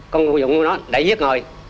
công dụng của nó để giết ngợi